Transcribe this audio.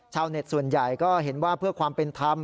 ชาวเน็ตส่วนใหญ่ก็เห็นว่าเพื่อความเป็นธรรม